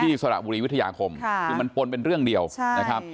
สระบุรีวิทยาคมคือมันปนเป็นเรื่องเดียวนะครับ